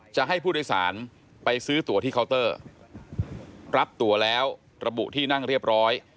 จะให้ผู้โดยสารไปซื้อตัวที่เคาน์เตอร์รับตัวแล้วระบุที่นั่งเรียบร้อย